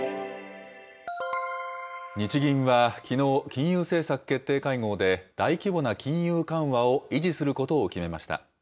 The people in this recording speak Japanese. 日銀はきのう、金融政策決定会合で、大規模な金融緩和を維持することを決めました。